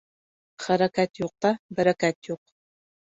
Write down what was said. Хәрәкәт юҡта бәрәкәт юҡ.